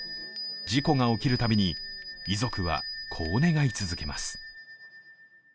事故が起きるたびに遺族はこう願い続けます。